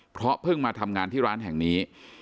เพราะเพิ่งมาทำงานที่ร้านแห่งนี้